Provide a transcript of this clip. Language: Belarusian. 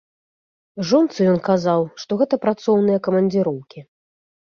Жонцы ён казаў, што гэта працоўныя камандзіроўкі.